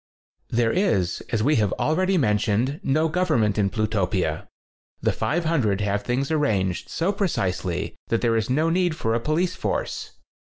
There is, as we have already men tioned;, no government in Plutopia. The 500 have things arranged so pre cisely that there is no need for a police force.